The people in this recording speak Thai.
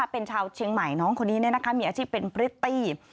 เป็นชาวเชียงใหม่น้องคนนี้มีอาชีพเป็นพริตตี้